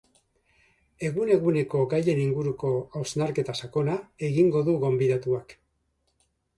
Egun eguneko gaien inguruko hausnarketa sakona egingo du gonbidatuak.